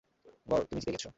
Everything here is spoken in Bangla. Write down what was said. গর, তুমি জিতে গেছ।